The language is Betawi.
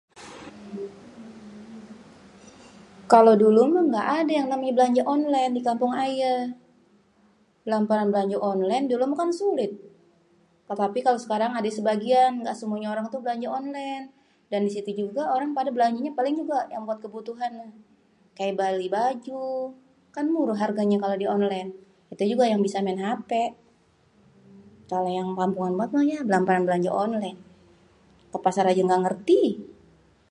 kalo dulu méh ga adé yang naményé bélanjé onlén dikampung ayé, bélamparan belanjé onlen, dulu méh kan sulit éh tapi kalo sekarang adé yang sebagian ga semuanyé orang belanjé onlen, dan disitu juga orang paling belanjényé paling juga, buat ke butuhan, kaya beli baju, kan muréh kalo dionlen, itu juga kalo yang bisa maén hp, kalo yang kampungan bat méh yah, bélamparan belanjé onlen kepasar ajé gangerti.